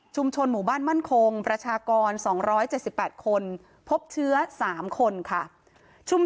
ชุมชนแฟลต๓๐๐๐๐มีประชากร๓๐๐๐๐คนพบเชื้อ๓๐๐๐๐คนพบเชื้อ๓๐๐๐๐คน